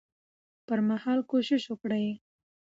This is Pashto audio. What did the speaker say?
پر مهال کوشش وکړي